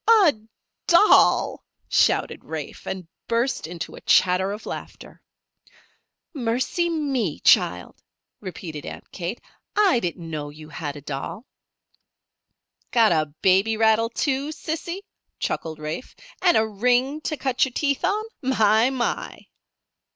"A doll!" shouted Rafe, and burst into a chatter of laughter. "Mercy me, child!" repeated Aunt Kate. "I didn't know you had a doll." "Got a baby rattle, too, Sissy?" chuckled Rafe. "And a ring to cut your teeth on? My, my!"